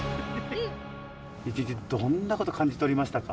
一日どんなこと感じ取りましたか？